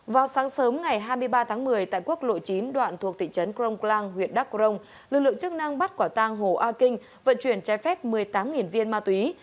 vào sáng sớm ngày hai mươi ba tháng một mươi tại quốc lộ chín đoạn thuộc thị trấn crong clang huyện đắk crong lực lượng chức năng bắt quả tang hồ a kinh vận chuyển trái phép một mươi tám viên ma túy